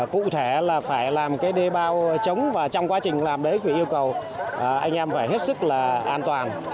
cụ thể là phải làm cái đê bao chống và trong quá trình làm đấy thì yêu cầu anh em phải hết sức là an toàn